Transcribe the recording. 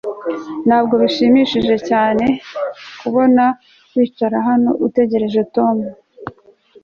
Ntabwo bishimishije cyane kwicara hano utegereje Tom